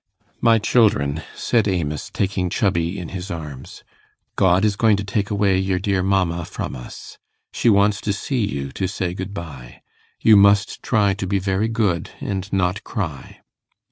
'My children,' said Amos, taking Chubby in his arms, 'God is going to take away your dear mamma from us. She wants to see you to say good bye. You must try to be very good and not cry.